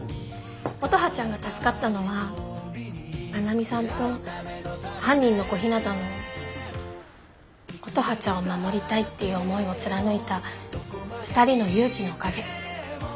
乙葉ちゃんが助かったのは真奈美さんと犯人の小日向の乙葉ちゃんを守りたいっていう思いを貫いた２人の勇気のおかげ。